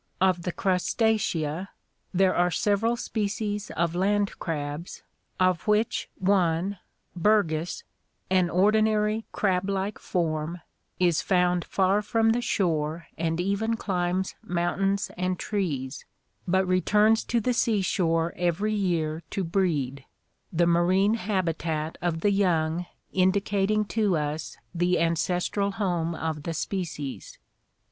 Of the Crustacea, there are several species of land crabs, of which one, Birgus, an ordinary crab like form, is found far from the shore and even climbs mountains and trees, but returns to the sea shore every year to breed, the marine habitat of the young indicating to us the ancestral home of the species.